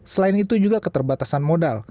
selain itu juga keterbatasan modal